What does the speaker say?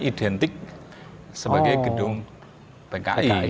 identik sebagai gedung pki